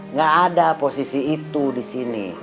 nggak ada posisi itu di sini